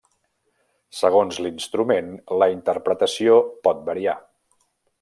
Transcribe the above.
Segons l'instrument la interpretació pot variar.